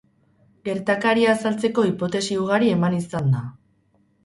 Gertakaria azaltzeko hipotesi ugari eman izan da.